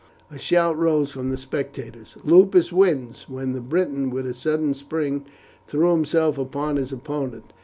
A shout rose from the spectators, "Lupus wins!" when the Briton, with a sudden spring, threw himself upon his opponent.